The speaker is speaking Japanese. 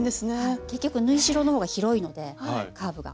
結局縫い代の方が広いのでカーブが。